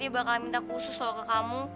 dia bakal minta khusus loh ke kamu